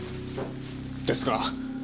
ですが。